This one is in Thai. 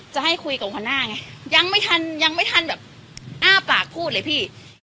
จะให้คุยกับหัวหน้าไงยังไม่ทันยังไม่ทันแบบอ้าปากพูดเลยพี่